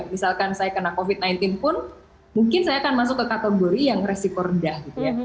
misalkan saya kena covid sembilan belas pun mungkin saya akan masuk ke kategori yang resiko rendah gitu ya